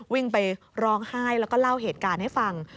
วิ่งไปร้องไห้แล้วก็เล่าเหตุการณ์ให้ฟัง